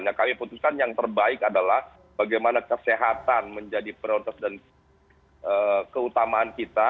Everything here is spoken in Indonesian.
nah kami putuskan yang terbaik adalah bagaimana kesehatan menjadi prioritas dan keutamaan kita